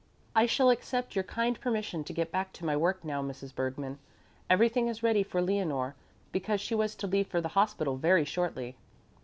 I shall accept your kind permission to get back to my work now, Mrs. Bergmann. Everything is ready for Leonore, because she was to leave for the hospital very shortly."